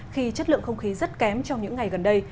khi chất lượng không khí rất kém trong những ngày gần đây